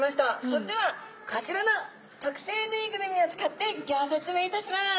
それではこちらの特製ぬいぐるみを使ってギョ説明いたします。